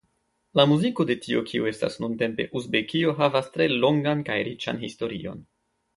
La muziko de tio kio estas nuntempe Uzbekio havas tre longan kaj riĉan historion.